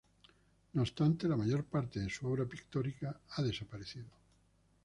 No obstante, la mayor parte de su obra pictórica ha desaparecido.